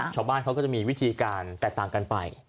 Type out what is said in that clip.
ชาวบ้านเขาก็จะมีวิธีการแตกต่างกันไป